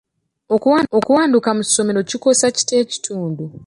Okuwanduka mu ssomero kikosa kitya ekitundu?